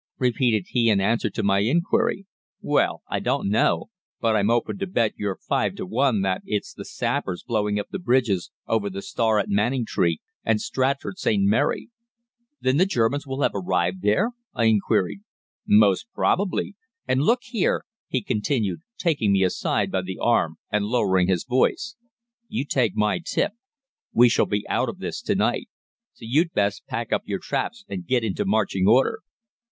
repeated he in answer to my inquiry. 'Well, I don't know, but I'm open to bet you five to one that it's the sappers blowing up the bridges over the Stour at Manningtree and Stratford St. Mary.' "'Then the Germans will have arrived there?' I queried. "'Most probably. And look here,' he continued, taking me aside by the arm, and lowering his voice, 'you take my tip. We shall be out of this to night. So you'd best pack up your traps and get into marching order.'